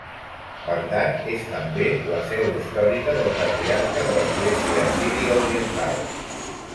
Bagdad és també la seu històrica del Patriarca de l'Església Assíria Oriental.